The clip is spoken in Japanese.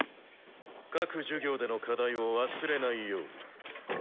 各授業での課題を忘れないように。